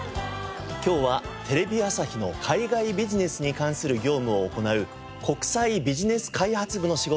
今日はテレビ朝日の海外ビジネスに関する業務を行う国際ビジネス開発部の仕事をご紹介します。